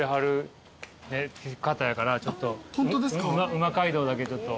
「うま街道！」だけちょっと。